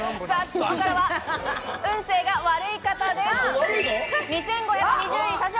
ここからは運勢が悪い方です。